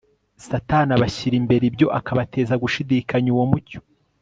satani abashyira imbere ibyo akabateza gushidikanya uwo mucyo